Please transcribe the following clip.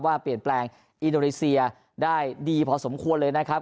ว่าเปลี่ยนแปลงอินโดนีเซียได้ดีพอสมควรเลยนะครับ